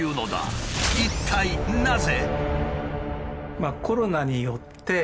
一体なぜ？